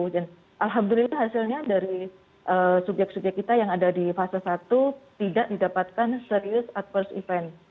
dan alhamdulillah hasilnya dari subyek subyek kita yang ada di fase satu tidak didapatkan serious adverse event